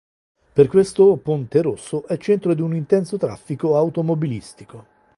Per questo Ponte Rosso è centro di un intenso traffico automobilistico.